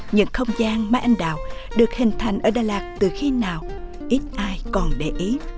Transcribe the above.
những không gian mai anh đào được hình thành ở đà lạt từ khi nào ít ai còn để ý